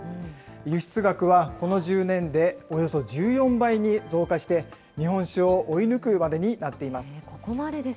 輸出額はこの１０年でおよそ１４倍に増加して、日本酒を追い抜くまでになっています。